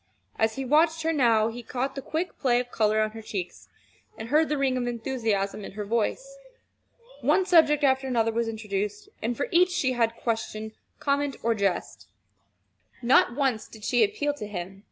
As he watched her now, he caught the quick play of color on her cheeks, and heard the ring of enthusiasm in her voice. One subject after another was introduced, and for each she had question, comment, or jest. Not once did she appeal to him.